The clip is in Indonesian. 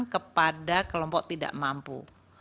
kepada kelompok tidak mampu